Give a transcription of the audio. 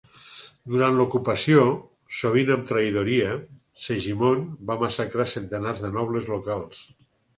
Durant l'ocupació, sovint amb traïdoria, Segimon va massacrar centenars de nobles locals.